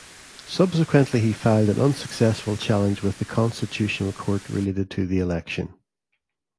Subsequently he filed an unsuccessful challenge with the Constitutional Court related to the election.